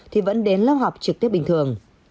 thì vẫn đến lớp học trực tiếp bình thường